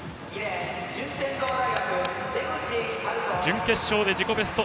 出口晴翔、準決勝で自己ベスト。